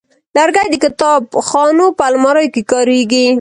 لرګی د کتابخانو په الماریو کې کارېږي.